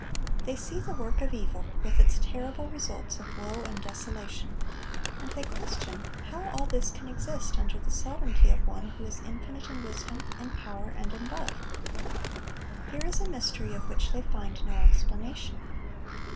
They see the work of evil, with its terrible results of woe and desolation, and they question how all this can exist under the sovereignty of One who is infinite in wisdom, in power, and in love. Here is a mystery, of which they find no explanation.